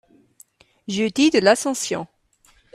jeudi de l'Ascension.